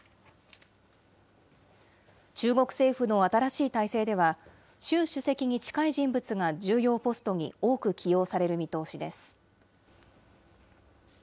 中国政府の新しい体制では、習主席に近い人物が重要ポストに多く起用される見通しです。